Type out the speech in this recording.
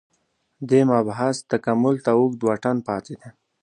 دې مبحث تکامل ته اوږد واټن پاتې دی